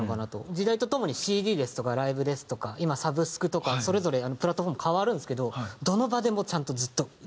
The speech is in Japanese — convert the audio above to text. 時代とともにＣＤですとかライブですとか今サブスクとかそれぞれプラットフォーム変わるんですけどいまだにね。